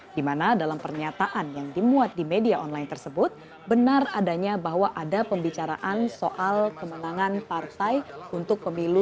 di mana dalam pernyataan yang dimuat di media online tersebut benar adanya bahwa ada pembicaraan soal kemenangan partai untuk pemilu dua ribu sembilan belas